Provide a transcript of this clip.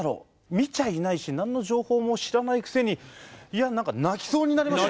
見ちゃいないし何の情報も知らないくせにいや何か泣きそうになりました。